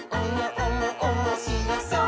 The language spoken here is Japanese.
おもしろそう！」